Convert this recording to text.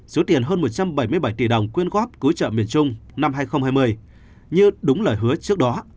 số tiền hơn một trăm bảy mươi bảy tỷ đồng quyên góp cứu trợ miền trung năm hai nghìn hai mươi như đúng lời hứa trước đó